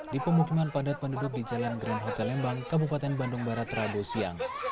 di pemukiman padat penduduk di jalan grand hotel lembang kabupaten bandung barat rabu siang